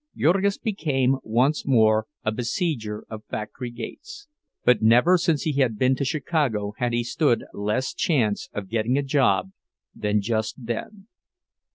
Jurgis became once more a besieger of factory gates. But never since he had been in Chicago had he stood less chance of getting a job than just then.